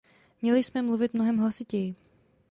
Měli jsme mluvit mnohem hlasitěji.